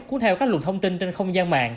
cuốn theo các luật thông tin trên không gian mạng